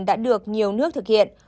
đã được nhiều nước thực hiện